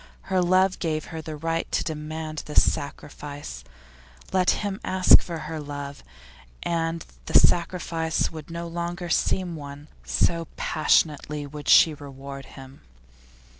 Her love gave her the right to demand this sacrifice; let him ask for her love, and the sacrifice would no longer seem one, so passionately would she reward him.